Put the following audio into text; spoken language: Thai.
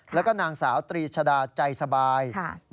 แล้วก็นางสาวตรีชดาใจสบาย